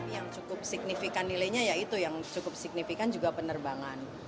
yang cukup signifikan nilainya ya itu yang cukup signifikan juga penerbangan